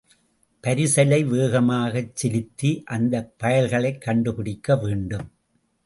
பரிசலை வேகமாகச் செலுத்தி அந்தப் பயல்களைக் கண்டுபிடிக்க வேண்டும்.